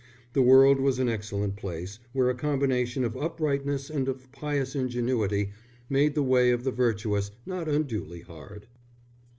The world was an excellent place where a combination of uprightness and of pious ingenuity made the way of the virtuous not unduly hard.